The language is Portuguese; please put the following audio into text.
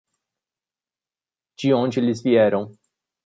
De onde eles vieram?